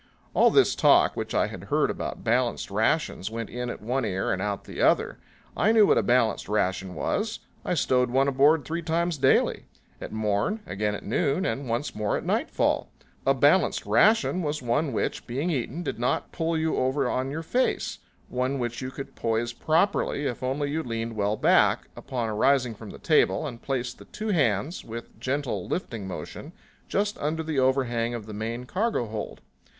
All this talk which I had heard about balanced rations went in at one ear and out at the other. I knew what a balanced ration was. I stowed one aboard three times daily at morn, again at noon and once more at nightfall. A balanced ration was one which, being eaten, did not pull you over on your face; one which you could poise properly if only you leaned well back, upon arising from the table, and placed the two hands, with a gentle lifting motion, just under the overhang of the main cargo hold.